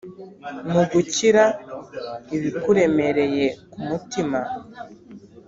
mu gukira ibikuremereye ku mutima,